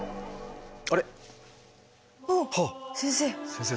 先生。